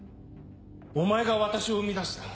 お前が私を生み出した。